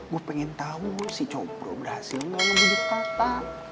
gue pengen tau si combro berhasil gak nungguin tata